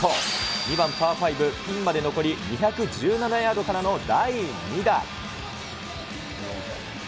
２番パー５、ピンまで残り２１７ヤードからの第２打。